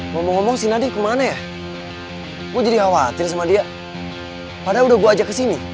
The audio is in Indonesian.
ngomong ngomong si nadi kemana ya gue jadi khawatir sama dia padahal udah gue ajak kesini